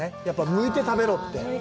むいて食べろって。